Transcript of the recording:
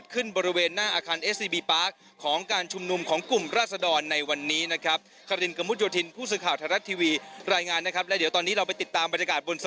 กับคุณศักดิ์สิทธิ์บุญรัฐครับ